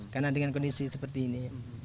karena dengan kondisi seperti ini